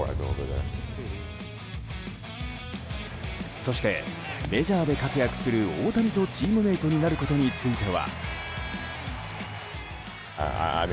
そしてメジャーで活躍する大谷とチームメートになることについては。